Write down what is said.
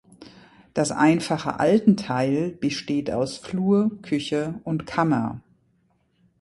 Das einfache Altenteil besteht aus Flur, Küche und Kammer.